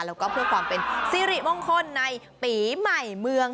แล้วก็เพื่อความเป็นสิริมงคลในปีใหม่เมือง